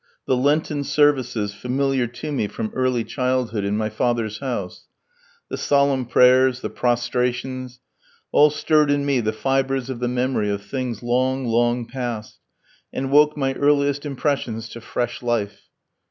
The Lenten services, familiar to me from early childhood in my father's house, the solemn prayers, the prostrations all stirred in me the fibres of the memory of things long, long past, and woke my earliest impressions to fresh life.